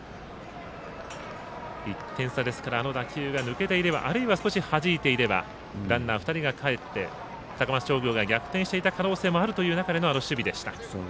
１点差ですからあの打球が抜けていればあるいは、少しはじいていればランナー２人がかえって高松商業が逆転していた可能性もあるという中でのあの守備でした。